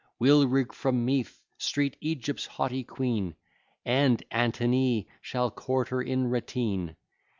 We'll rig from Meath Street Egypt's haughty queen And Antony shall court her in ratteen.